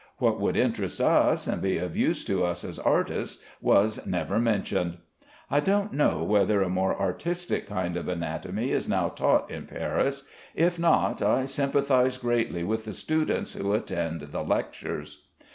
What would interest us, and be of use to us as artists, was never mentioned. I don't know whether a more artistic kind of anatomy is now taught in Paris; if not, I sympathize greatly with the students who attend the lectures.